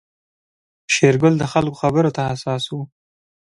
شېرګل د خلکو خبرو ته حساس و.